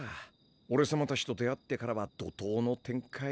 おれさまたちと出会ってからはどとうの展開。